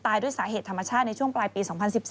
ด้วยสาเหตุธรรมชาติในช่วงปลายปี๒๐๑๔